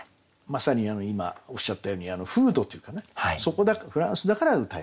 まさに今おっしゃったように風土っていうかなそこだからフランスだから詠えた。